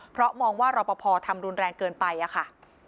เพราะมองว่ารอปภทำรุนแรงเกินไปอะค่ะ